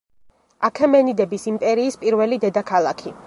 აქემენიდების იმპერიის პირველი დედაქალაქი.